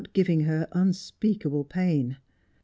37 giving her unspeakable pain